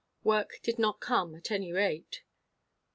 Work did not come, at any rate.